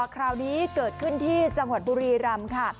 คราวนี้เกิดขึ้นที่จังหวัดบุรีรำค่ะ